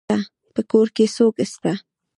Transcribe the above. په کور کي څوک سته.